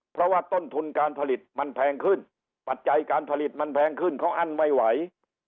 เพราะว่าต้นทุนการผลิตมันแพงขึ้นปัจจัยการผลิตมันแพงขึ้นเขาอั้นไม่ไหว